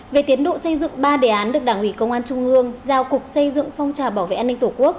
về tiến độ xây dựng ba đề án được đảng ủy công an trung ương giao cục xây dựng phong trào bảo vệ an ninh tổ quốc